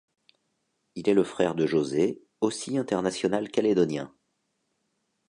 Il est le frère de José, aussi International calédonien.